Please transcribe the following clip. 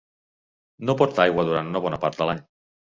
No porta aigua durant una bona part de l'any.